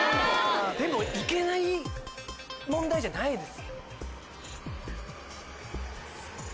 でも行けない問題じゃないです。